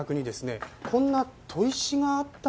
こんな砥石があったんですが。